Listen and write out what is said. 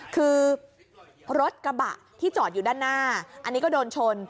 คือรถกระบะที่จอดอยู่ด้านหน้าอันนี้ก็โดนชน